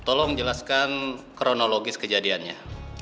tolong jelaskan kronologis kejadiannya